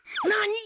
何！？